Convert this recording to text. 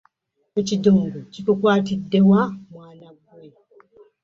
Ekidongo kikukwatidde wa mwana ggwe.